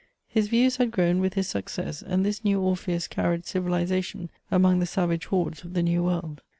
His views had grown with his success, and this new Orpheus carried civilisation among the savage hordes of the New World.